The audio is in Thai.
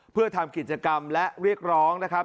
เพื่อทำกิจกรรมและเรียกร้องนะครับ